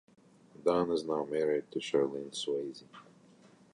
Don is now married to Charlene Swayze.